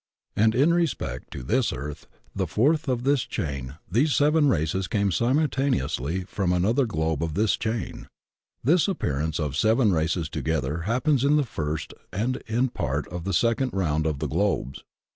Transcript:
And in respect to this earth — ^the fourth of this chain — these seven races came simultaneously from another globe of this chain. This appearance of seven races together happens in the first and in part of the second round of the globes.